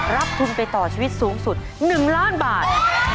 รับทุนไปต่อชีวิตสูงสุด๑ล้านบาท